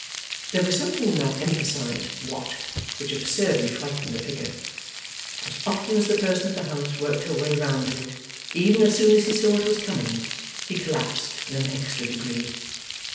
There was something in that emphasized 'What,' which absurdly frightened the figure. As often as the person of the house worked her way round to it even as soon as he saw that it was coming he collapsed in an extra degree.